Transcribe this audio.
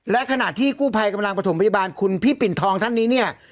และขณะที่กู้ภัยกำลังประถมพยาบาลคุณพี่ปิ่นทองท่านนี้เนี่ย